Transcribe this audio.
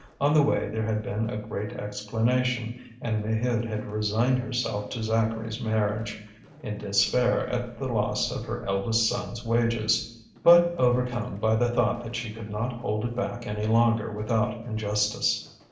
On the way there had been a great explanation, and Maheude had resigned herself to Zacharie's marriage, in despair at the loss of her eldest son's wages, but overcome by the thought that she could not hold it back any longer without injustice.